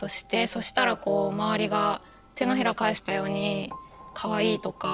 そしたらこう周りが手のひらを返したようにかわいいとか。